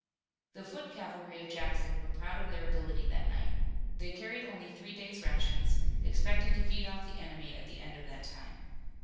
The foot cavalry of Jackson were proud of their ability that night. They carried only three days' rations, expecting to feed off the enemy at the end of that time.